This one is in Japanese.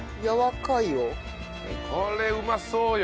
これうまそうよ。